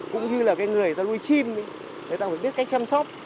cũng như là cái người người ta nuôi chim người ta phải biết cách chăm sóc